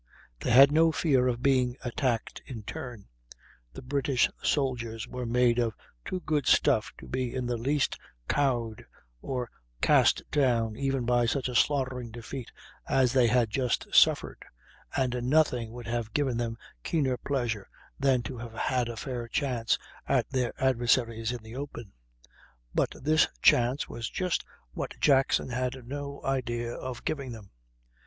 They had no fear of being attacked in turn. The British soldiers were made of too good stuff to be in the least cowed or cast down even by such a slaughtering defeat as that they had just suffered, and nothing would have given them keener pleasure than to have had a fair chance at their adversaries in the open; but this chance was just what Jackson had no idea of giving them.